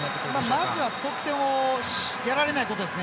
まずは得点をやられないことです。